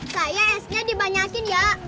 saya esnya dibanyakin ya